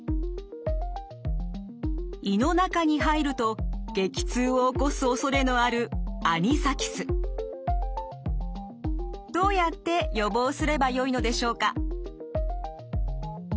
胃の中に入ると激痛を起こすおそれのあるどうやって予防すればよいのでしょうか。